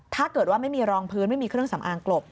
ถ้าเกิดว่าไม่มีรองพื้นไม่มีเครื่องสำอางกลบ